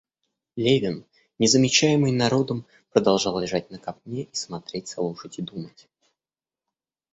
Левин, не замечаемый народом, продолжал лежать на копне и смотреть, слушать и думать.